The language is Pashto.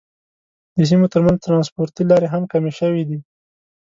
د سیمو تر منځ ترانسپورتي لارې هم کمې شوې دي.